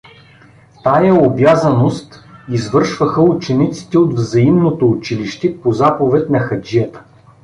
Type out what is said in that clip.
Тая обязаност извършваха учениците от взаимното училище по заповед на хаджията.